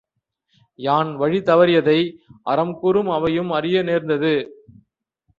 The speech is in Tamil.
யான் வழி தவறியதை அறம் கூறும் அவையும் அறிய நேர்ந்தது.